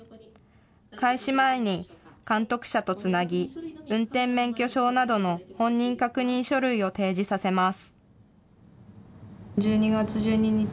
開始前に監督者とつなぎ、運転免許証などの本人確認書類を提示させます。